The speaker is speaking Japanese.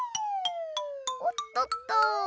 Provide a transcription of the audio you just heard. おっとっと。